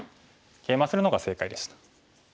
ケイマするのが正解でした。